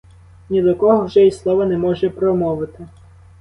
Ні до кого вже і слова не може промовити.